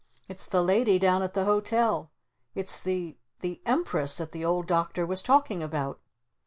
It's the Lady down at the hotel. It's the the Empress that the Old Doctor was talking about!"